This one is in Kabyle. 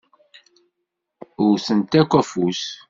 Wwtent akk afus.